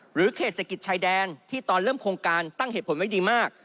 เขตเศรษฐกิจชายแดนที่ตอนเริ่มโครงการตั้งเหตุผลไว้ดีมาก